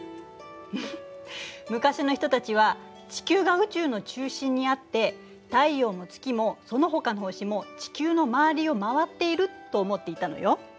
フフッ昔の人たちは地球が宇宙の中心にあって太陽も月もそのほかの星も地球の周りを回っていると思っていたのよ。